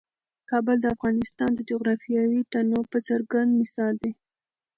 کابل د افغانستان د جغرافیوي تنوع یو څرګند مثال دی.